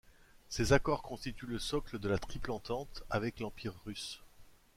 Ces accords constituent le socle de la Triple-Entente, avec l'Empire russe.